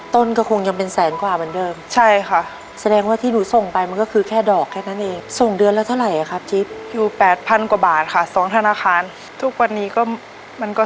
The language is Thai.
ต้นก็คงยังเป็นแสนกว่าเหมือนเดิม